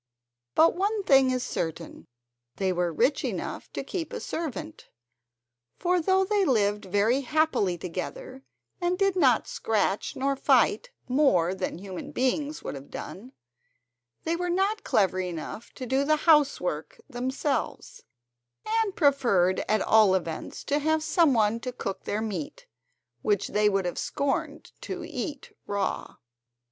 But one thing is certain, they were rich enough to keep a servant; for though they lived very happily together, and did not scratch nor fight more than human beings would have done, they were not clever enough to do the housework themselves, and preferred at all events to have some one to cook their meat, which they would have scorned to eat raw.